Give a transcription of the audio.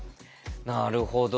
なるほど。